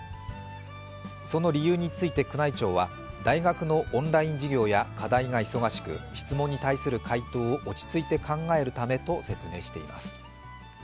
その理由について宮内庁は大学のオンライン授業や課題が忙しく質問に対する回答を落ち着いて考えるためと説明しています。